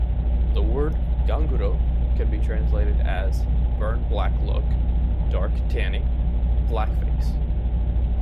The word "ganguro" can be translated as "burn-black look", "dark tanning", "black-face".